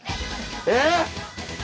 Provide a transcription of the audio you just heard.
えっ？